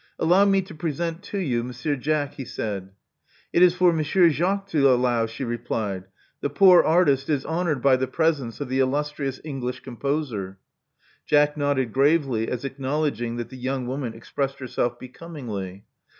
*' Allow me to present to you Monsieur Jack, he said. It is for Monsieur Jacques to allow,*' she replied. The poor artist is honored by the presence of the illustrious English composer." Jack nodded gravely as acknowledging that the young woman expressed herself becomingly.